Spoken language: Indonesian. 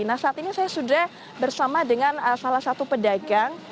nah saat ini saya sudah bersama dengan salah satu pedagang